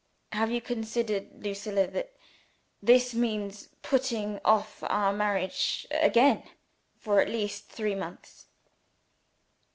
Have you considered, Lucilla, that this means putting off our marriage again, for at least three months?"